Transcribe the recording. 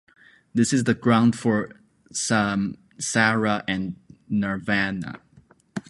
This is the ground for samsara and nirvana.